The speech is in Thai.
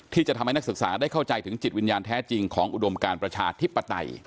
ที่จะทำให้นักศึกษาได้เข้าใจถึงจิตวิญญาณแท้จริงของอุดมการประชาธิปไตย